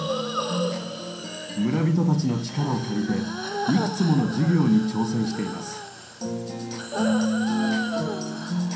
村人たちの力を借りていくつもの事業に挑戦しています。